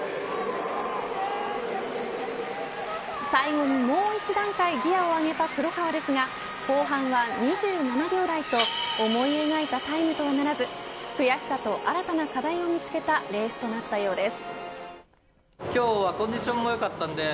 最後にもう一段階ギアを上げた黒川ですが後半は２７秒台と思い描いたタイムとはならず悔しさと、新たな課題を見つけたレースとなったようです。